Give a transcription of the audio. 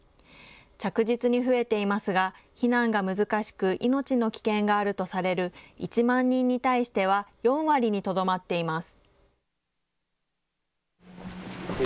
着実に増えていますが、避難が難しく、命の危険があるとされる１万人に対しては４割にとどまっています。